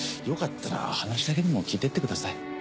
よかったら話だけでも聞いてってください。